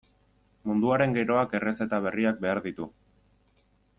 Munduaren geroak errezeta berriak behar ditu.